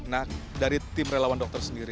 nah dari tim relawan dokter sendiri